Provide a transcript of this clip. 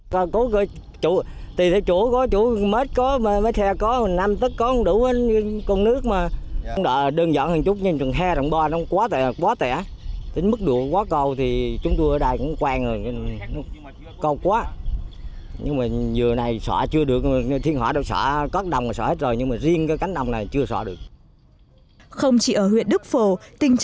không chỉ ở huyện đức phổ tình trạng cát bồi lấp đông bỏ là khó tránh khỏi